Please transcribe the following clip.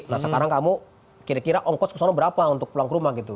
nah sekarang kamu kira kira ongkos kesana berapa untuk pulang ke rumah gitu